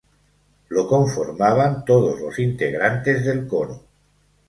Lo conformaban todos los integrantes del coro".